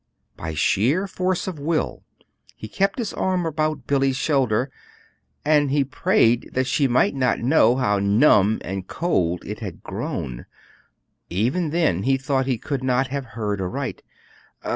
By sheer force of will he kept his arm about Billy's shoulder, and he prayed that she might not know how numb and cold it had grown. Even then he thought he could not have heard aright.